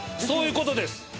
そういうことです。